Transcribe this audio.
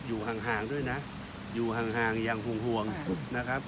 อยู่ห่างด้วยนะอยู่ห่างอย่างห่วงนะครับ